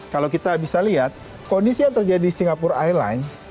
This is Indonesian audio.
kalau kita bisa lihat kondisi yang terjadi di singapura airlines